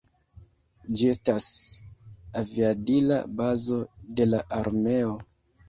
Ĝi estas aviadila bazo de la armeo.